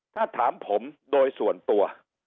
ถ้าถามผมโดยส่วนตัว